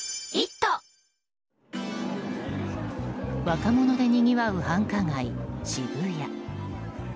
若者でにぎわう繁華街・渋谷。